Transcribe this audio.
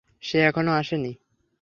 সে এখনও আসে নি।